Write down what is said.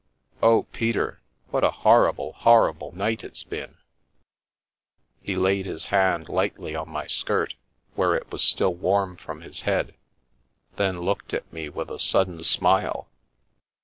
" Oh, Peter, what a horrible, horrible night it's been !" He laid his hand lightly on my skirt where it was still warm from his head, then looked at me with a sudden smile.